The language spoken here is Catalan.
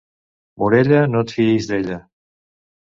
Morella, no et fiïs d'ella.